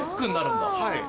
はい。